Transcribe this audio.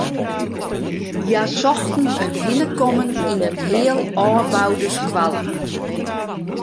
Hja sochten in hinnekommen yn in heal ôfboude skoalle.